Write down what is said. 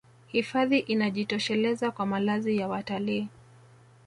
hifadhi inajitosheleza kwa malazi ya watalii